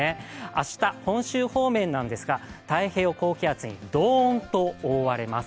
明日、本州方面ですが太平洋高気圧にドーンと覆われます。